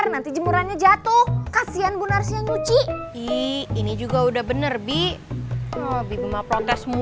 nanti jumurannya jatuh kasian bunarthi nyuci ini juga udah benerko semi buma protes